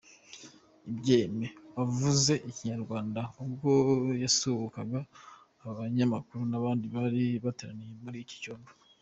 Bien-Aime wavuze ikinyarwanda, ubwo yasuhuzaga abanyamakuru n'abandi bari bateraniye muri iki cyumba.